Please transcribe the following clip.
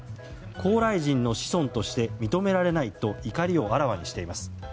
高麗人の子孫として認められないと怒りをあらわにしています。